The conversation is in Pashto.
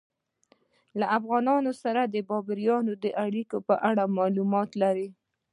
له افغانانو سره د بابریانو د اړیکو په اړه معلومات لرئ؟